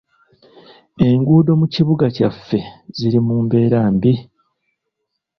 Enguudo mu kibuga kyaffe ziri mu mbeera mbi.